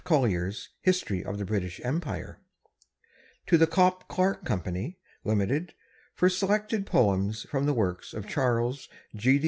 F. Collier's "History of the British Empire"; to The Copp Clark Co., Limited, for selected poems from the works of Charles G.